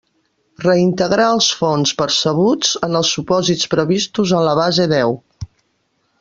Reintegrar els fons percebuts en els supòsits previstos en la base deu.